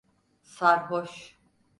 Sarhoş!